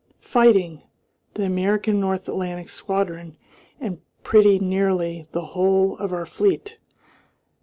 "Fighting! The American North Atlantic squadron and pretty nearly the whole of our fleet.